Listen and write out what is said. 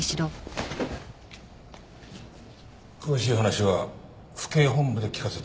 詳しい話は府警本部で聞かせてもらおう。